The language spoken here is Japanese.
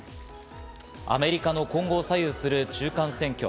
アメリカの今後を左右する中間選挙。